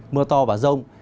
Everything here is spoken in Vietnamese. mưa to và rông